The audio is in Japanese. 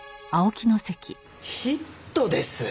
ヒットです！